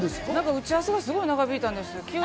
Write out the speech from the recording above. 打ち合わせが長引いたんです。